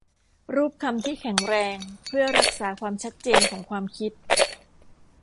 รูปคำที่แข็งแรงเพื่อรักษาความชัดเจนของความคิด